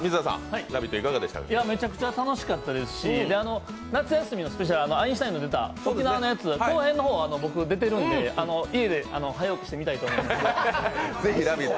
めちゃくちゃ楽しかったですし、夏休みのスペシャルアインシュタインの出た沖縄のやつ、後編の方、僕、出てるんで、家で早起きして見たいと思います。